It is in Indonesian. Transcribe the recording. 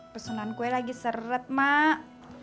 pesunan kue lagi seret mak